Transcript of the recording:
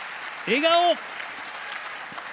笑顔！